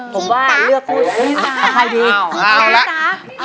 ขอบว่าเลือกคู่คู่ใบดีพี่ตรัก